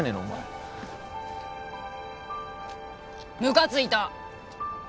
お前ムカついた！